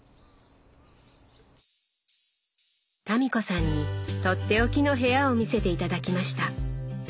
民子さんにとっておきの部屋を見せて頂きました。